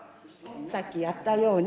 さっきやったように。